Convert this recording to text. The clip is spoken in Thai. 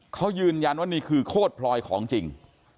เขายืนยันว่านี่คือโคตรพลอยของจริง